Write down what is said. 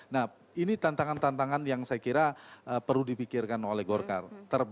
nah ini tantangan tantangan yang saya kira perlu dipikirkan oleh golkar